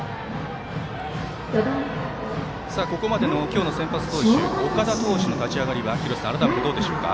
ここまでの今日の先発投手岡田投手の立ち上がりは廣瀬さん、改めてどうでしょうか。